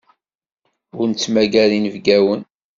Ur nettmagar inebgawen.